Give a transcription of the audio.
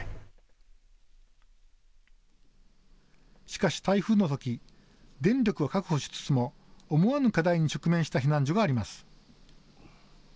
しかし台風のとき、電力は確保しつつも思わぬ課題に直面した避難所があります。